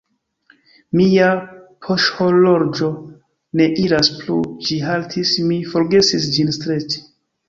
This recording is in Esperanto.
Mia poŝhorloĝo ne iras plu, ĝi haltis; mi forgesis ĝin streĉi.